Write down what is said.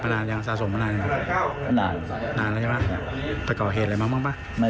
แต่ว่ามันเป็นสิคเหมือนกัน